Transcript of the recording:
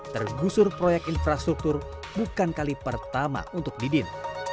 tergusur proyek infrastruktur bukan kali pertama untuk didin